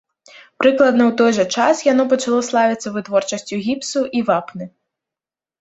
Прыкладна ў той жа час яно пачало славіцца вытворчасцю гіпсу і вапны.